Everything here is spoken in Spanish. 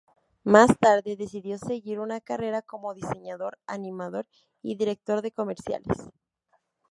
Más tarde decidió seguir una carrera como diseñador, animador y director de comerciales.